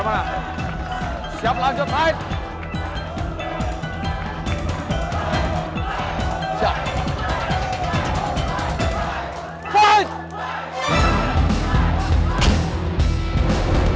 jangan lupa like share dan subscribe ya